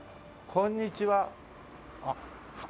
こんにちは。